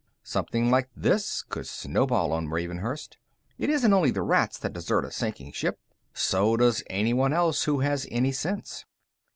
Something like this could snowball on Ravenhurst. It isn't only the rats that desert a sinking ship; so does anyone else who has any sense.